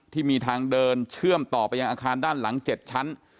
ที่มีทางเดินเชื่อมต่อไปยังอาคารด้านหลัง๗ชั้น